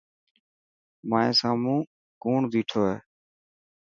مائي سامون ڪوڻ بيٺو هي.